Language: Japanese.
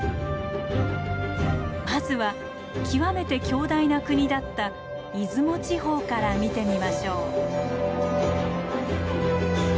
まずは極めて強大な国だった出雲地方から見てみましょう。